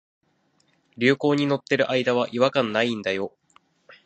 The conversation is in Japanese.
流行に乗ってる間は違和感ないんだよ